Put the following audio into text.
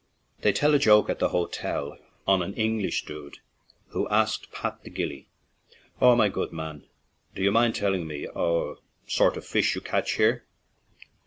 They tell a joke at the hotel, on an Eng lish dude who asked Pat, the gillie, " Aw, my good man, do you mind telling me what — aw — sort of fish you catch here